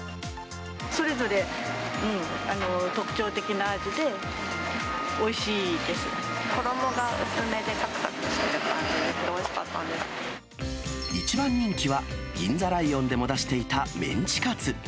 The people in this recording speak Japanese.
それぞれ特徴的な味で、衣が薄めで、さくさくしてる一番人気は、銀座ライオンでも出していたメンチカツ。